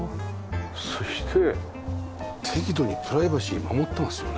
そして適度にプライバシー守ってますよね。